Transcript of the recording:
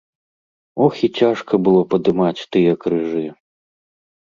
Ох, і цяжка было падымаць тыя крыжы!